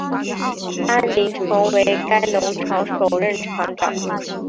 安林成为该农场首任场长。